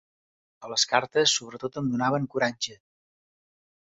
A les cartes sobretot em donaven coratge.